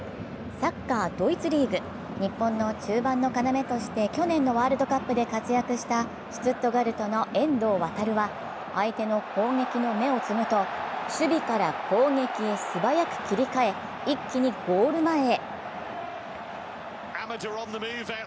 サッカー・ドイツリーグ、日本の中盤の要として去年のワールドカップで活躍したシュツットガルトの遠藤航は相手の攻撃の芽を摘むと守備から攻撃へ素早く切り替え一気にゴール前へ。